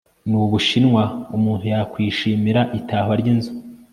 n Ubushinwa umuntu yakwishimira itahwa ry Inzu